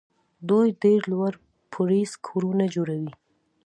دوی ډېر لوړ پوړیز کورونه جوړوي.